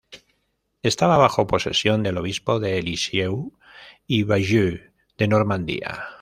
Estaba bajo posesión del obispo de Lisieux y Bayeux de normandia.